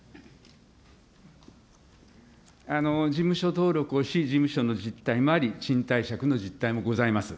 事務所登録をし、事務所の実態もあり、賃貸借の実態もございます。